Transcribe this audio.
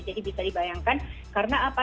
jadi bisa dibayangkan karena apa